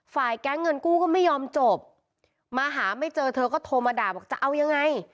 แก๊งเงินกู้ก็ไม่ยอมจบมาหาไม่เจอเธอก็โทรมาด่าบอกจะเอายังไง